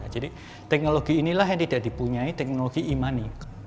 jadi teknologi inilah yang tidak dipunyai teknologi e money